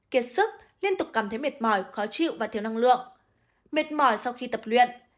kiệt sức liên tục cảm thấy mệt mỏi khó chịu và thiếu năng lượng mệt mỏi sau khi tập luyện